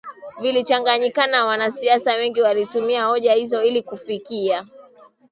vilichanganyikana wanasiasa wengi walitumia hoja hizo ili kufikia